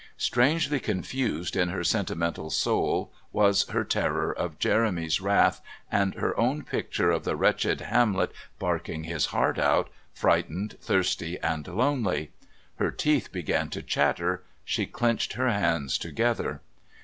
Strangely confused in her sentimental soul was her terror of Jeremy's wrath and her own picture of the wretched Hamlet barking his heart out, frightened, thirsty, and lonely. Her teeth began to chatter; she clenched her hands together.